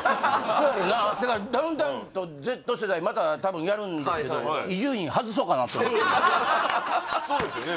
そうやんなだからダウンタウンとＺ世代また多分やるんですけど伊集院そうですよね